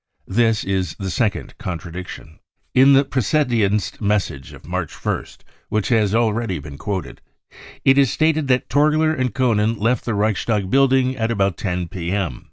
This is the second contradiction. In the Pressedienst message of March 1st, which,* has already been quoted, it is stated that Torgler and Koenen left the Reichstag building at about 10 p.m.